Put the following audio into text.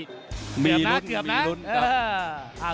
เกือบนะ